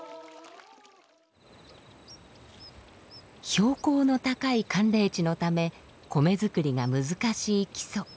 標高の高い寒冷地のため米作りが難しい木曽。